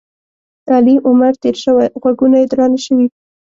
علي عمر تېر شوی؛ غوږونه یې درانه شوي.